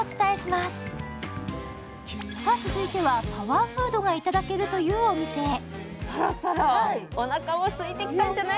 続いては、パワーフードがいただけるというお店。